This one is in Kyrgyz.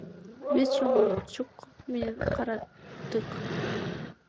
Биз чоңойткуч менен карадык.